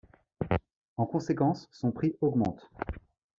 En conséquence son prix augmente.